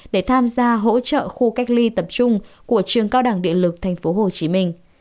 để tham gia hỗ trợ khu cách ly tập trung của trường cao đẳng điện lực tp hcm